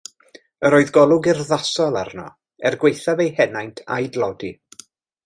Yr oedd golwg urddasol arno, er gwaethaf ei henaint a'i dlodi.